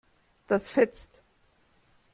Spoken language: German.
Das fetzt.